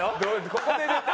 ここで出た。